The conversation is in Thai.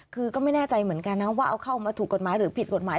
คือก็ไม่แน่ใจเหมือนกันนะว่าเอาเข้ามาถูกกฎหมายหรือผิดกฎหมาย